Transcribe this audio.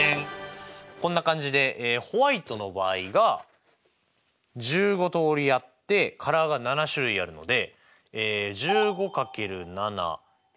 こんな感じでホワイトの場合が１５通りあってカラーが７種類あるので。